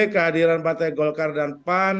kehadiran partai golkar dan pan